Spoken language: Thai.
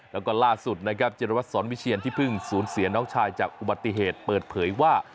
แล้วก็ล่าสุดนะครับจิรวัตรสอนวิเชียนที่เพิ่งสูญเสียน้องชายจากอุบัติเหตุเปิดเผยว่า